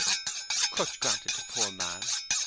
Crutch granted to poor man, 1.